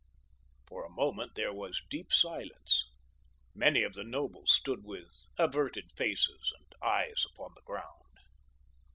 For a moment there was deep silence. Many of the nobles stood with averted faces and eyes upon the ground.